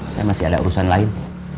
saya masih ada urusan lain